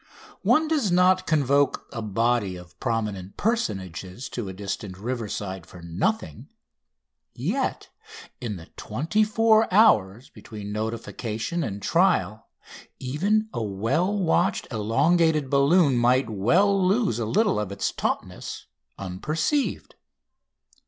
One does not convoke a body of prominent personages to a distant riverside for nothing, yet in the twenty four hours between notification and trial even a well watched elongated balloon might well lose a little of its tautness unperceived.